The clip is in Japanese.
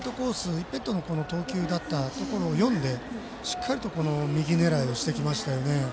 一辺倒の投球だったところを読んでしっかり右狙いをしてきました。